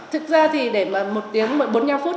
thực ra thì để mà một tiếng bốn mươi năm phút